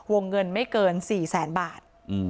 วงเงินไม่เกิน๔แสนบาท